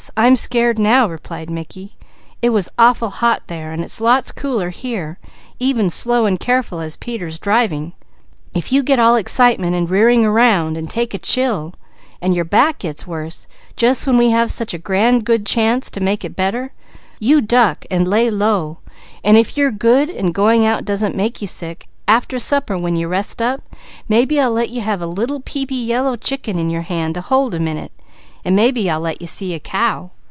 I'm scared now," replied Mickey. "It was awful hot there and it's lots cooler here, even slow and careful as Peter is driving. If you get all excitement, and rearing around, and take a chill, and your back gets worse, just when we have such a grand good chance to make it better you duck and lay low, and if you're good, and going out doesn't make you sick, after supper when you rest up, maybe I'll let you have a little peepy yellow chicken in your hand to hold a minute, and maybe I'll let you see a cow.